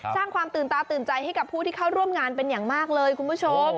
สร้างความตื่นตาตื่นใจให้กับผู้ที่เข้าร่วมงานเป็นอย่างมากเลยคุณผู้ชม